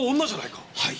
はい。